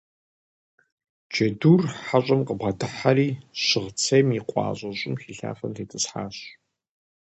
Джэдур хьэщӀэм къыбгъэдыхьэри, щыгъ цейм и къуащӀэ щӀым хилъафэм тетӀысхьащ.